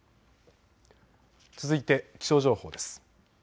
続いて気象情報です。